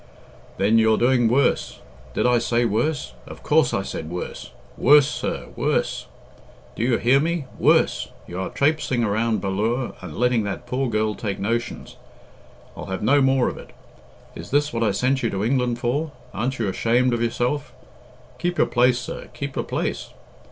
"Then you're doing worse. Did I say worse? Of course I said worse. Worse, sir, worse! Do you hear me? Worse! You are trapsing around Ballure, and letting that poor girl take notions. I'll have no more of it. Is this what I sent you to England for? Aren't you ashamed of yourself? Keep your place, sir; keep your place.